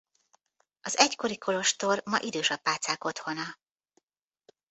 Az egykori kolostor ma idős apácák otthona.